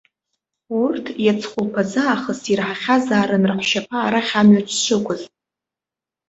Урҭ иац хәылԥазы аахыс ираҳахьазаарын раҳәшьаԥа арахь амҩа дшықәыз.